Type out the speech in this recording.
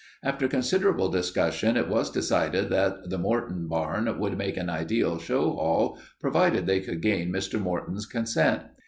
After considerable discussion it was decided that the Morton barn would make an ideal show hall, provided they could gain Mr. Morton's consent.